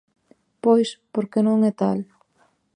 Pois, porque non é tal.